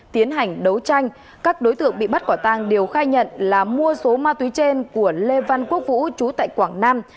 tiến hành đấu tranh các đối tượng bị bắt quả tang điều khai nhận là mua số ma túy trên của lê văn quốc vũ chú tại quảng nam